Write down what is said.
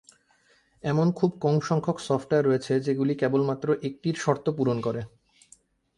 এমন খুব কম সংখ্যক সফটওয়্যার রয়েছে যেগুলি কেবলমাত্র একটির শর্ত পূরণ করে।